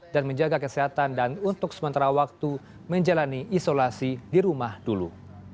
dan menjaga kesehatan dan untuk sementara waktu menjalani isolasi di rumah dulu